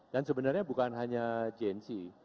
dan sebenarnya bukan hanya genzi